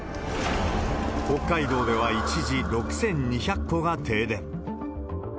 北海道では一時６２００戸が停電。